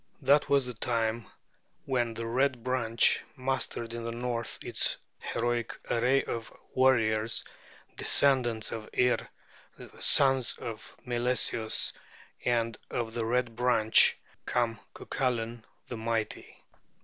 That was the time when the Red Branch mustered in the north its heroic array of warriors, descendants of Ir, the son of Milesius; and of the Red Branch came Cuculain the mighty.